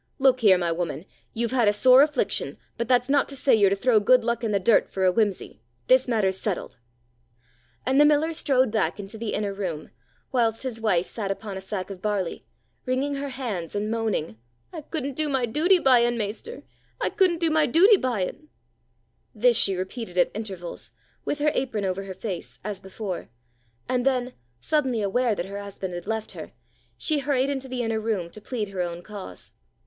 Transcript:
Look here, my woman. You've had a sore affliction, but that's not to say you're to throw good luck in the dirt for a whimsey. This matter's settled." And the miller strode back into the inner room, whilst his wife sat upon a sack of barley, wringing her hands, and moaning, "I couldn't do my duty by un, maester, I couldn't do my duty by un." This she repeated at intervals, with her apron over her face, as before; and then, suddenly aware that her husband had left her, she hurried into the inner room to plead her own cause.